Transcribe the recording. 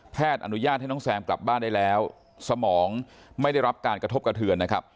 อนุญาตให้น้องแซมกลับบ้านได้แล้วสมองไม่ได้รับการกระทบกระเทือนนะครับ